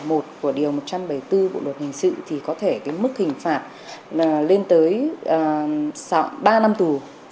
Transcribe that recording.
một của điều một trăm bảy mươi bốn bộ luật hình sự thì có thể cái mức hình phạt lên tới ba năm tù